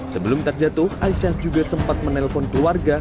sebelum terjatuh aisyah juga sempat menelpon keluarga